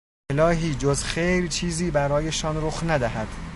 الهی جز خیر چیزی برایشان رخ ندهد.